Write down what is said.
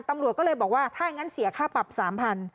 ตำรวจก็เลยบอกว่าถ้าอย่างนั้นเสียค่าปรับ๓๐๐บาท